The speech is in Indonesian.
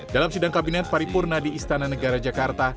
dalam sidang kabinet paripurna di istana negara jakarta